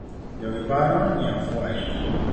Jogiparo ni afuwo ainya.